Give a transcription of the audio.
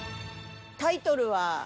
タイトルは。